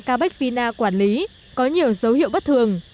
cây bách vina quản lý có nhiều dấu hiệu bất thường